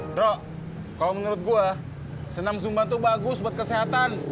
dro kalau menurut gue senam zumba itu bagus buat kesehatan